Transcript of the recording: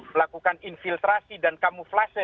melakukan infiltrasi dan kamuflasi